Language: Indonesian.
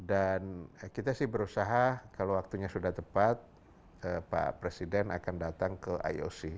dan kita sih berusaha kalau waktunya sudah tepat pak presiden akan datang ke ioc